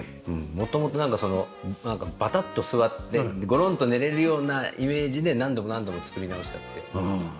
元々なんかそのバタッと座ってゴロンと寝れるようなイメージで何度も何度も作り直したって。